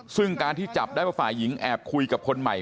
ซึ่งการที่จับได้ว่าฝ่ายหญิงแอบคุยกับคนใหม่